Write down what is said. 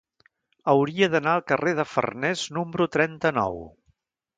Hauria d'anar al carrer de Farnés número trenta-nou.